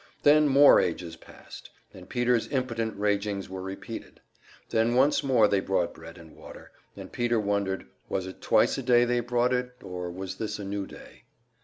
Then more ages passed, and Peter's impotent ragings were repeated; then once more they brought bread and water, and Peter wondered, was it twice a day they brought it, or was this a new day?